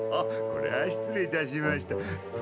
これは失礼いたしました。